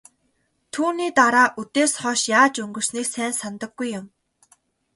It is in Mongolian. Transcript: Түүний дараа үдээс хойш яаж өнгөрснийг сайн санадаггүй юм.